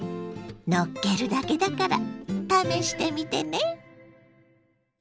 のっけるだけだから試してみてね。